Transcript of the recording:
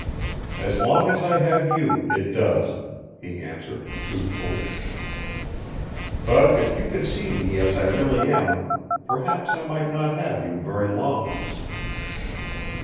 "As long as I have you, it does," he answered truthfully. "But if you could see me as I really am, perhaps I might not have you very long."